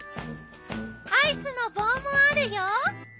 アイスの棒もあるよ。